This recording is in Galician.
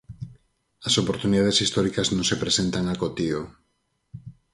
As oportunidades históricas non se presentan acotío.